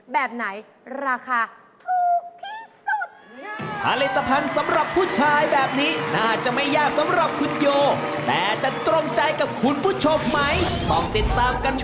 แบบไหนราคาถูกที่สุด